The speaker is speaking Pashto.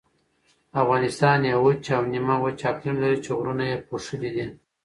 افغانستان یو وچ او نیمه وچ اقلیم لري چې غرونه یې پوښلي دي.